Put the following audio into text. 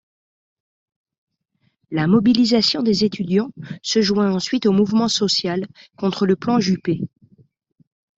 La mobilisation des étudiants se joint ensuite au mouvement social contre le plan Juppé.